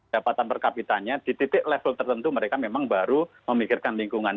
dapatan per kapitanya di titik level tertentu mereka memang baru memikirkan lingkungan